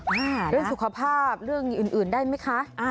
เรื่องสุขภาพเรื่องอื่นได้ไหมคะ